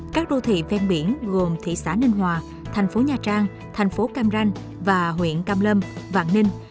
các đô thị ven biển gồm thị xã ninh hòa thành phố nha trang thành phố cam ranh và huyện cam lâm vạn ninh